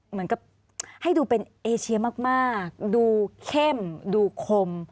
เหมือนกับให้ดูเป็นเอเชียมากดูเข้มดูคม